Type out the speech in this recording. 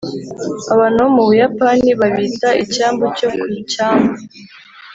abantu bo mu buyapani babita “icyambu cyo ku cyambu.”